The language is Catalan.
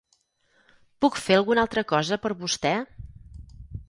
Puc fer alguna altra cosa per vostè?